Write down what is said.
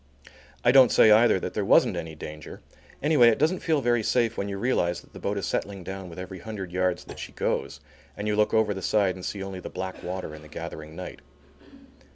I don't say either that there wasn't any danger; anyway, it doesn't feel very safe when you realize that the boat is settling down with every hundred yards that she goes, and you look over the side and see only the black water in the gathering night.